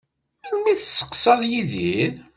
Melmi i tesseqsaḍ Yidir?